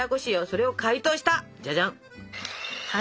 それを解凍したじゃじゃん。